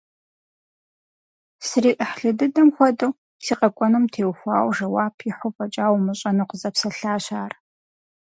СриӀыхьлы дыдэм хуэдэу, си къэкӀуэнум теухуауэ жэуап ихьу фӀэкӀа умыщӀэну къызэпсэлъащ ар.